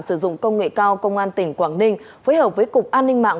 sử dụng công nghệ cao công an tỉnh quảng ninh phối hợp với cục an ninh mạng